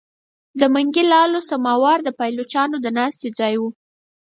د منګي لالو سماوار د پایلوچانو د ناستې ځای وو.